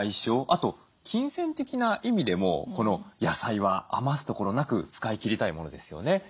あと金銭的な意味でもこの野菜は余すところなく使い切りたいものですよね。